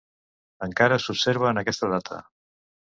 Encara s'observa en aquesta data.